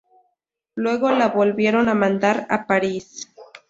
Luego la volvieron a mandar a París.